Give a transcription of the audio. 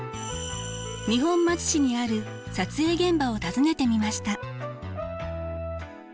二本松市にある撮影現場を訪ねてみました。